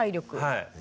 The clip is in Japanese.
はい。